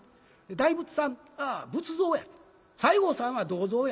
大仏さんは仏像や西郷さんは銅像や。